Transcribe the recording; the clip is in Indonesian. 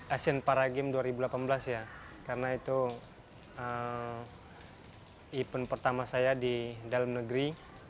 asian para games dua ribu delapan belas ya karena itu event pertama saya di dalam negeri